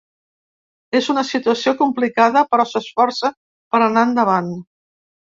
És una situació complicada, però s’esforça per anar endavant.